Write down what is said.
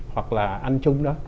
hoặc là ăn chung đó